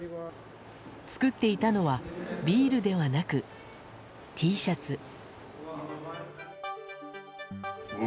作っていたのはビールではなくＴシャツ。